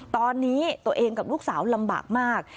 ตอนนี้ตัวเองกับลูกสาวลำบากมาก